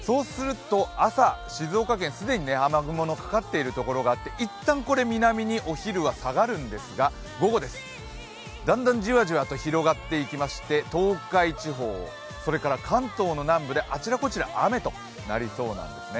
朝、静岡県既に雨雲のかかっているところがあって、一旦、これ南にお昼は下がるんですが午後です、だんだんじわじわと広がっていきまして、東海地方、それから関東の南部であちらこちら雨となり遭難ですね。